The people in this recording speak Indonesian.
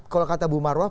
kalau kata bu marwah